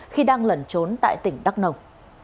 khi đang lẩn trốn tại tỉnh đắk nồng